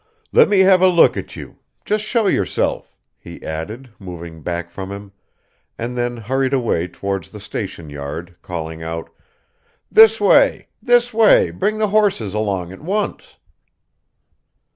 "Let me have a look at you; just show yourself," he added, moving back from him, and then hurried away towards the station yard, calling out, "This way, this way, bring the horses along at once.